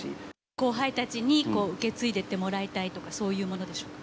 後輩たちに受け継いでいってもらいたいとか、そういうものでしょうか。